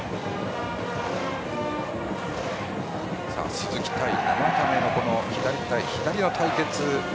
鈴木対生田目の左対左の対決